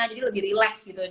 jadi lebih relax gitu